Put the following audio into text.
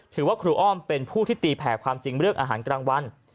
ถือว่าครูอ้อมเป็นผู้ที่ตีแผ่ความจริงเรื่องอาหารกลางวัน